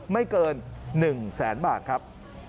ไม่เกิน๑แสนบาทครับ